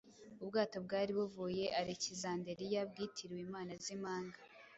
Ubwato bwari buvuye Alekizanderiya bwitiriwe imana z’impanga